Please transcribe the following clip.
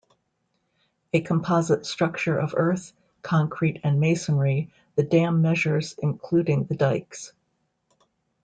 A composite structure of earth, concrete and masonry, the dam measures including the Dykes.